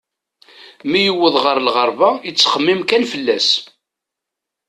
Mi yuweḍ ɣer lɣerba, yettxemmim kan fell-as.